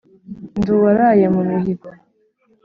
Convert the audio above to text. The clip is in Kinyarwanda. Ndi uwaraye mu mihigo